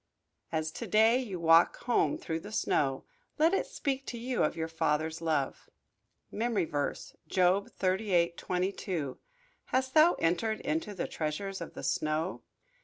As to day you walk home through the snow let it speak to you of your Father's love. MEMORY VERSE, Job 38: 22 "Hast thou entered into the treasures of the snow?"